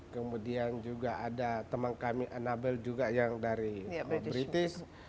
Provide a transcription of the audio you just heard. kemudian juga ada teman kami annabel juga yang dari british